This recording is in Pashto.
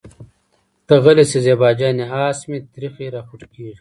ته غلې شه زېبا جانې اسې مې تريخی راخوټکېږي.